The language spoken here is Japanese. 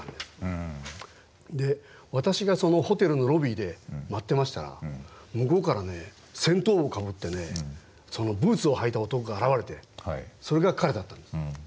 私がホテルのロビーで待ってましたら向こうから戦闘帽をかぶってブーツを履いた男が現れてそれが彼だったんです。